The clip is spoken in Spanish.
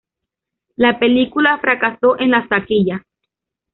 La película fracasó en las taquillas.